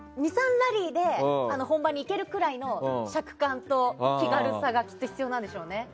ラリーで本番に行けるくらいの尺感と気軽さがきっと必要なんでしょうね。